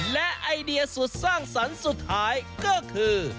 และไอเดียสุดสร้างสรรค์สุดท้ายก็คือ